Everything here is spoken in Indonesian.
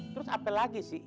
terus apalagi sih